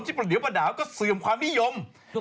ประเดี๋ยวประดาวก็เสื่อมความนิยม